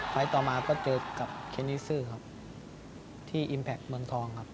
ต่อมาก็เจอกับเคนิซื่อครับที่อิมแพคเมืองทองครับ